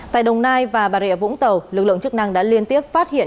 tại đồng nai và bà rịa vũng tàu lực lượng chức năng đã liên tiếp phát hiện